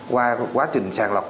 qua quá trình sàng lọc